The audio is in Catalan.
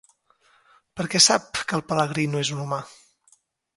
Per què sap que el pelegrí no és un humà?